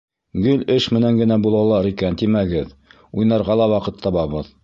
— Гел эш менән генә булалар икән тимәгеҙ, уйнарға ла ваҡыт табабыҙ.